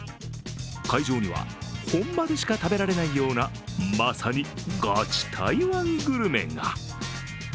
会場には、本場でしか食べられないようなまさにガチ台湾グルメが。